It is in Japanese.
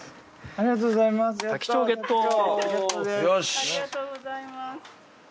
ありがとうございます。